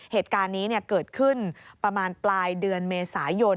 เหตุการณ์นี้เกิดขึ้นประมาณปลายเดือนเมษายน